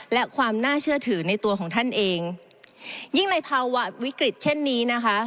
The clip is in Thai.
และความน่าเชื่อถือในตัวของท่านเองยิ่งในภาวะวิกฤตเช่นนี้นะคะ